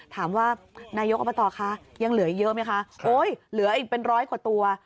ถามว่านายกอบตคะยังเหลืออีกเยอะไหมคะโอ๊ยเหลืออีกเป็นร้อยกว่าตัว